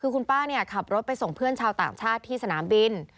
คือคุณป้าเนี่ยขับรถไปส่งเพื่อนชาวต่างชาติที่สนามบิน